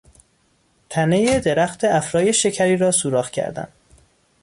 تنهی درخت افرای شکری را سوراخ کردن